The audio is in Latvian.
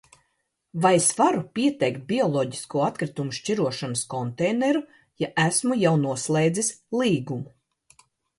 Vai es varu pieteikt bioloģisko atkritumu šķirošanas konteineru, ja esmu jau noslēdzis līgumu?